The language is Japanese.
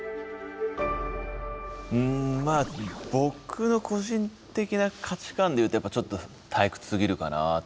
うんまあ僕の個人的な価値観で言うとやっぱちょっと退屈すぎるかなと。